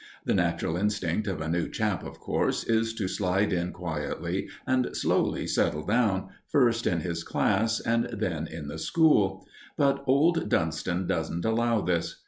The natural instinct of a new chap, of course, is to slide in quietly and slowly settle down, first in his class and then in the school; but old Dunston doesn't allow this.